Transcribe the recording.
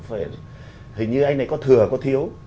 hình như anh này có thừa có thiếu